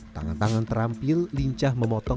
tangan tangan terampil lincah memotong batang padi